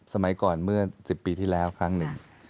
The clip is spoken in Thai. สมัยก่อนเมื่อ๑๐ปีที่แล้วครั้งหนึ่ง